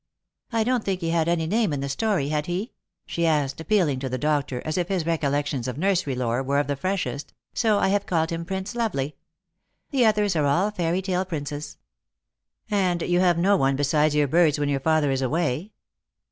I don't think he had any name in the story, had he ?" she asked, appealing to the doctor, as if his recollections of nursery lore were of the freshest, " so I have called him Prince Lovely. The others are all fairy tale princes." " And have you no one besides your birds when your father is away